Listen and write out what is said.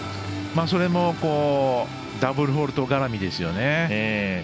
それもダブルフォールト絡みですよね。